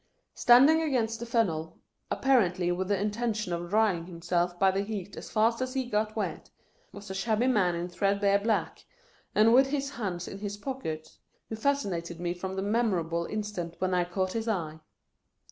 Standing against the funnel, apparently with the intention of drying himself by the heat as fast as he got wet, was a shabby man in threadbare black, and with his hands in his pockets, who fascinated me from the me morable instant when I caught his eye.